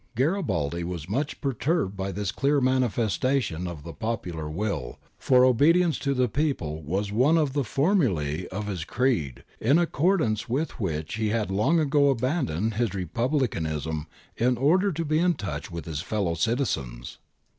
Garibaldi was much perturbed by this clear manifestation of the popular will, for obedience to the people was one of the formulae of his creed, in accord ance with which he had long ago abandoned his repub licanism in order to be in touch with his fellow citizens.